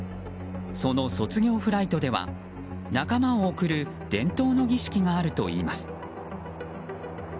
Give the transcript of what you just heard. その卒業フライトでは仲間を送る伝統の儀式があるといいます。